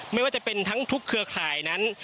ไม่ว่าจะเป็นทั้งทุกเครือข่ายนั้น